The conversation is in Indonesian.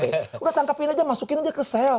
sudah tangkapin saja masukin saja ke sel